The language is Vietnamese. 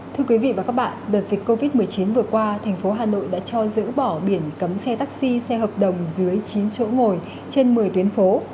thưa quý vị và các bạn đợt dịch covid một mươi chín vừa qua thành phố hà nội đã cho giữ bỏ biển cấm xe taxi xe hợp đồng dưới chín chỗ ngồi trên một mươi tuyến phố